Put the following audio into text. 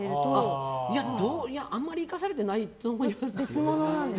あまり生かされてないと思いますね。